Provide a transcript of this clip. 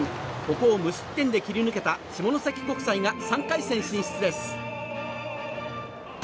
ここを無失点で切り抜けた下関国際が３回戦進出です。